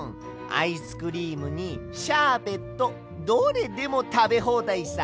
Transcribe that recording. アイスクリームにシャーベットどれでもたべほうだいさ。